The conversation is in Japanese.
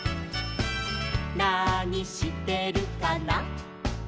「なにしてるかな」